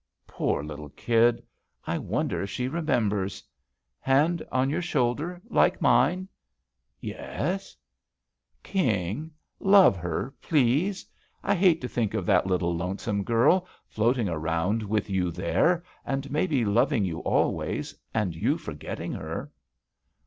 "Poor little kid I I wonder if she remem bers ! Hand on your shoulder, like mine ?" "Yes." hit:. JUST SWEETHEARTS 'King, love her, please 1 I hate to think of that little, lonesome girl, floating around with you there — and maybe loving you always — and you forgetting her!"